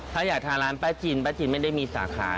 ถ้าอยากทานร้านป้าจินป้าจินไม่ได้มีสาขา